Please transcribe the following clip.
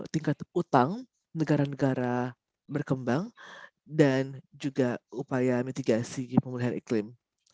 tingkat utang negara negara berkembang dan juga upaya mitigasi pemulihan iklim